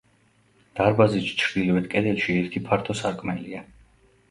დარბაზის ჩრდილოეთ კედელში ერთი ფართო სარკმელია.